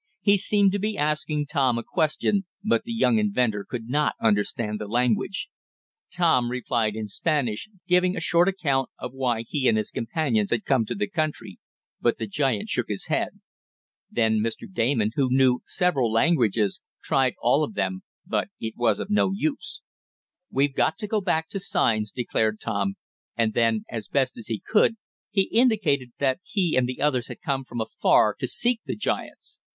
He seemed to be asking Tom a question, but the young inventor could not understand the language. Tom replied in Spanish, giving a short account of why he and his companions had come to the country, but the giant shook his head. Then Mr. Damon, who knew several languages, tried all of them but it was of no use. "We've got to go back to signs," declared Tom, and then, as best he could, he indicated that he and the others had come from afar to seek the giants.